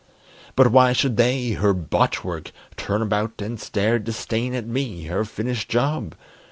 But why should they, her botch work, turn about And stare disdain at me, her finished job?